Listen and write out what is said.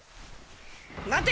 待て！